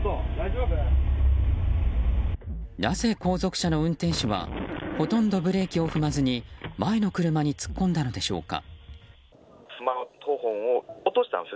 なぜ後続車の運転手はほとんどブレーキを踏まずに前の車に突っ込んだのでしょうか。